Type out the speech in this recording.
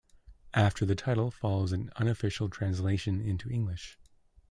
After the title follows an unofficial translation into English.